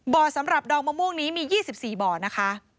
สำหรับดอกมะม่วงนี้มี๒๔บ่อนะคะ